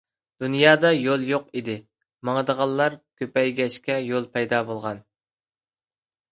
دۇنيادا يول يوق ئىدى، ماڭىدىغانلار كۆپەيگەچكە يول پەيدا بولغان.